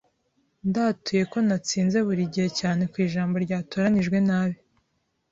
Ndatuye ko natsinze buri gihe cyane ku ijambo ryatoranijwe nabi,